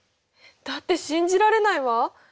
だって信じられないわ。